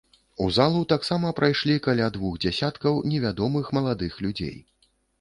У залу таксама прайшлі каля двух дзясяткаў невядомых маладых людзей.